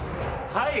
「はい！」